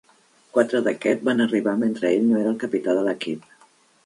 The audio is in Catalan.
Quatre d'aquest van arribar mentre ell no era el capità de l'equip.